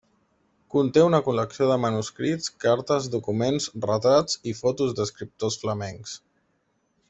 Conté una col·lecció de manuscrits, cartes, documents, retrats i fotos d'escriptors flamencs.